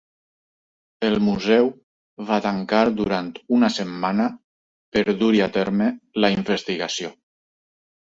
El museu va tancar durant una setmana per dur-hi a terme la investigació.